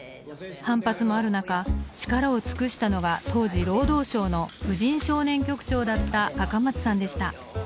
反発もあるなか力を尽くしたのが当時労働省の婦人少年局長だった赤松さんでした。